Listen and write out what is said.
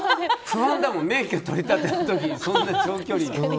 不安だもん、免許取りたての人にそんな長距離。